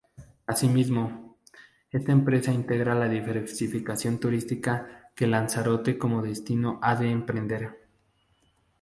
Asimismo, esta empresa integra la diversificación turística que Lanzarote como destino ha de emprender".